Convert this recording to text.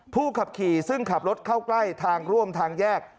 ผู้ขับขี่ซึ่งขับรถเข้าใกล้ทางร่วมทางแยก